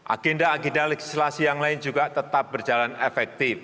agenda agenda legislasi yang lain juga tetap berjalan efektif